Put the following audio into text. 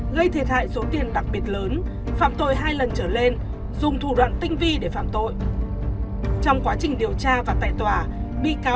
gây thiệt hại số tiền đặc biệt lớn phạm tội hai lần trở lên dùng thủ đoạn tinh vi để phạm tội